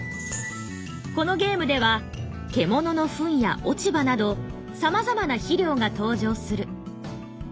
このゲームでは「獣の糞」や「落ち葉」などさまざまな肥料が登場する。